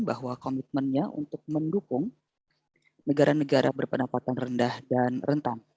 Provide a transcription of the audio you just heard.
bahwa komitmennya untuk mendukung negara negara berpendapatan rendah dan rentan